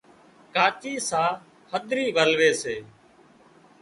ڪاچي ساهََه هڌرِي ولوي سي